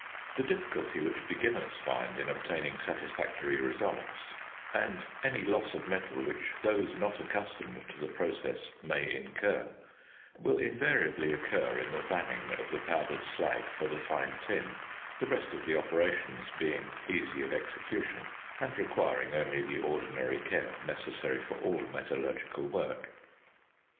The difficulty which beginners find in obtaining satisfactory results, and any loss of metal which those not accustomed to the process may incur, will invariably occur in the vanning of the powdered slag for the fine tin, the rest of the operations being easy of execution, and requiring only the ordinary care necessary for all metallurgical work.